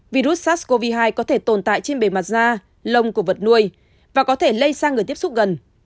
virus sars cov hai có thể tồn tại trên bề mặt da lông của vật nuôi và có thể lây sang người tiếp xúc gần